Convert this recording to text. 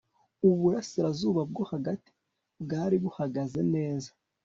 Uburasirazuba bwo Hagati bwari buhagaze neza